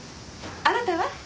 あなたは？